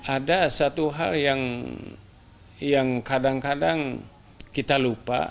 ada satu hal yang kadang kadang kita lupa